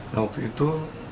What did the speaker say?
nah waktu itu